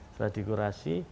setelah di kurasi